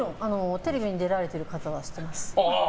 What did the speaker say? テレビに出られてる方は知ってます。